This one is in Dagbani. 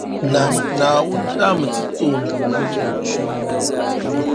Naawuni tahimi ti tooni.